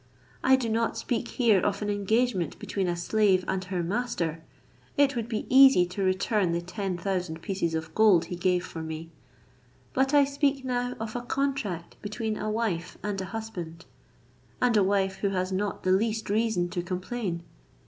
I do not speak here of an engagement between a slave and her master; it would be easy to return the ten thousand pieces of gold he gave for me; but I speak now of a contract between a wife and a husband and a wife who has not the least reason to complain.